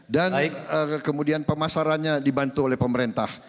dan kemudian pemasarannya dibantu oleh pemerintah